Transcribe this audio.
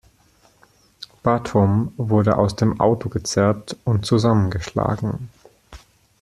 Batom wurde aus dem Auto gezerrt und zusammengeschlagen.